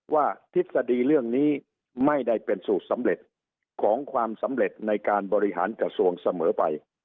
ทฤษฎีเรื่องนี้ไม่ได้เป็นสูตรสำเร็จของความสำเร็จในการบริหารกระทรวงเสมอไป